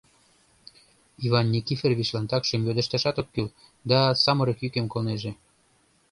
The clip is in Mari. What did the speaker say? Иван Никифоровичлан такшым йодышташат ок кӱл, да самырык йӱкым колнеже.